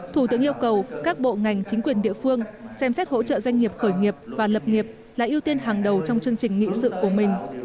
thủ tướng yêu cầu các bộ ngành chính quyền địa phương xem xét hỗ trợ doanh nghiệp khởi nghiệp và lập nghiệp là ưu tiên hàng đầu trong chương trình nghị sự của mình